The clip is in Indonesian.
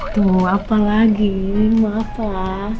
tuh apalagi mau apa